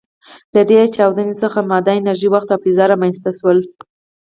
له دې چاودنې څخه ماده، انرژي، وخت او فضا رامنځ ته شول.